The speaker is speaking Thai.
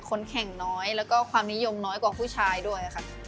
คนแข่งน้อยแล้วก็ความนิยมน้อยกว่าผู้ชายด้วยค่ะ